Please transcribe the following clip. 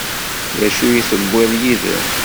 D acu i d-tewwiḍ yid-m?